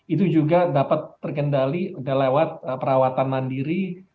itu juga dapat terkendali lewat perawatan mandiri